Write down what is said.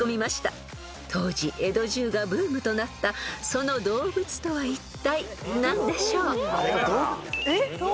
［当時江戸中がブームとなったその動物とはいったい何でしょう］えっ！？